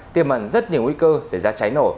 tiềm mận rất nhiều nguy cơ sẽ ra cháy nổ